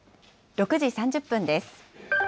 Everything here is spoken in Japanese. ６時３０分です。